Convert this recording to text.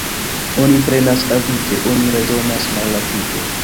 Oni prenas avide, oni redonas malrapide.